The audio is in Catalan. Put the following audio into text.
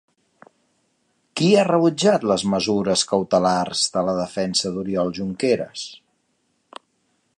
Qui ha rebutjat les mesures cautelars de la defensa d'Oriol Junqueras?